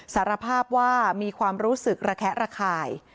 สารภาพว่ามีความรู้สึกระแคะระคาย